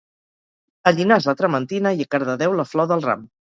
A Llinars la trementina i a Cardedeu la flor del ram